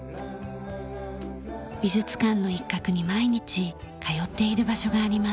美術館の一角に毎日通っている場所があります。